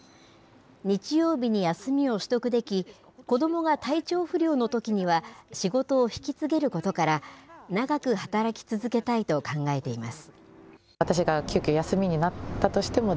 日曜日に休みを取得でき、子どもが体調不良のときには仕事を引き継げることから、長く働き続けたいと考えています。